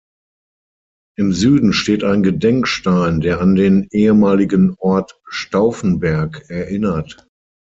Im Süden steht ein Gedenkstein, der an den ehemaligen Ort Staufenberg erinnert.